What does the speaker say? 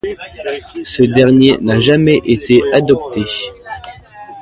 Ce dernier n'a jamais été adopté.